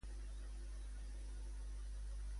És Prometeu l'oposició d'Epimeteu?